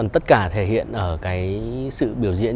tất cả thể hiện ở sự biểu diễn